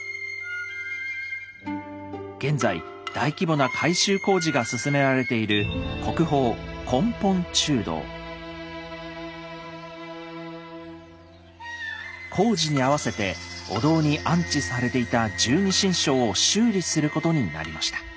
現在大規模な改修工事が進められている工事にあわせてお堂に安置されていた十二神将を修理することになりました。